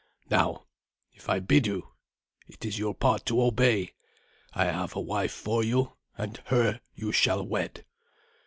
"Now, if I bid you, it is your part to obey. I have a wife for you, and her you shall wed."